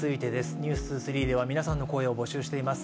「ｎｅｗｓ２３」では皆さんの声を募集しています。